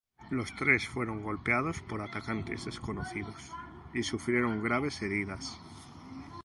Los tres fueron golpeados por atacantes desconocidos y sufrieron graves heridas.